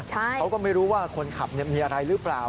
เขาก็ไม่รู้ว่าคนขับมีอะไรหรือเปล่า